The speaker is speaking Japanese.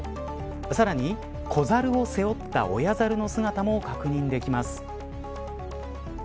さらに、子ザルを背負った親ザルの姿も確認できます。